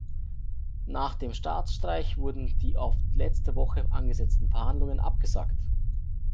Nach dem Staatsstreich wurden die auf letzte Woche angesetzten Verhandlungen abgesagt.